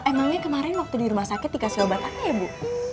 emangnya kemarin waktu di rumah sakit dikasih obat apa ya bu